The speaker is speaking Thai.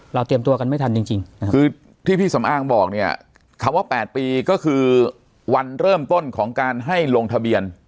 เตรียมตัวกันไม่ทันจริงคือที่พี่สำอางบอกเนี่ยคำว่า๘ปีก็คือวันเริ่มต้นของการให้ลงทะเบียน